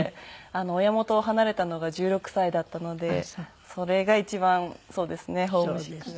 親元を離れたのが１６歳だったのでそれが一番そうですねホームシックが。